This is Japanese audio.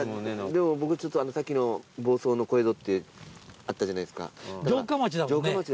でも僕ちょっとさっきの「房総の小江戸」ってあったじゃないですか。